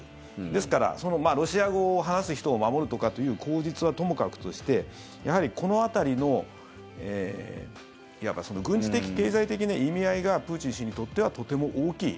ですから、ロシア語を話す人を守るとかという口実はともかくとしてやはりこの辺りのいわば軍事的・経済的な意味合いがプーチン氏にとってはとても大きい。